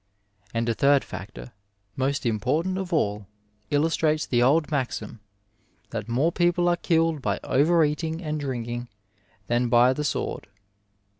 And a third factor, most important of all, illustrates the old maxim, that more people are killed by over eating and drinking than by the sword.